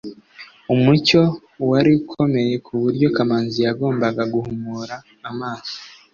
umucyo wari ukomeye kuburyo kamanzi yagombaga guhumura amaso